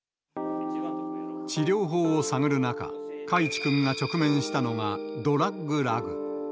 治療法を探る中、海智君が直面したのが、ドラッグ・ラグ。